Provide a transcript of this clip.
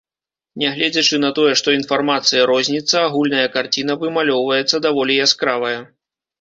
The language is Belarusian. Нягледзячы на тое, што інфармацыя розніцца, агульная карціна вымалёўваецца даволі яскравая.